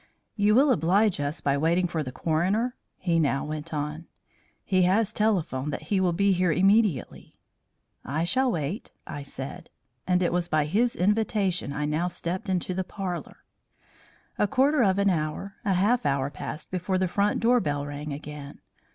"You will oblige us by waiting for the coroner?" he now went on. "He has telephoned that he will be here immediately." "I shall wait," I said. And it was by his invitation I now stepped into the parlour. A quarter of an hour, a half hour, passed before the front door bell rang again.